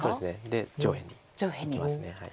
で上辺にいきます。